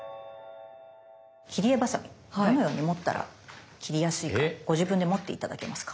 切り絵バサミどのように持ったら切りやすいかご自分で持って頂けますか？